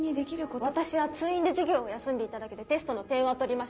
私は通院で授業を休んでいただけでテストの点は取りました。